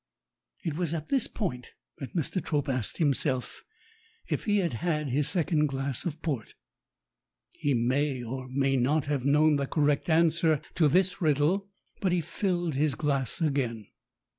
It was at this point that Mr. Trope asked himself if he had had his second glass of port. He may, or may not, have known the correct answer to this riddle. But he filled his glass again.